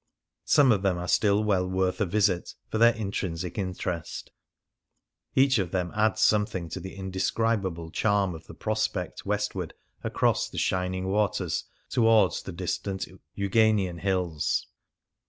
Some of them are still well worth a visit for their intrinsic interest ; each of them adds something to the indescribable charm of the prospect westward across the 103 Things Seen in Venice shining waters towards the distant Euganean Hills.